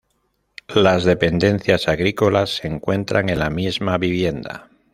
Las dependencias agrícolas se encuentran en la misma vivienda.